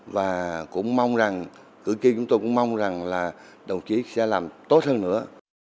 và cũng mong rằng cử tri chúng tôi cũng mong rằng là đồng chí sẽ làm tốt hơn nữa